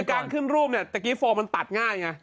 คือการขึ้นรุ่มเนี่ยเดี๋ยวกี้โฟมมันตัดง่ายไง